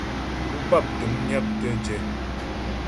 Pú pap təm nyaptə jɛ.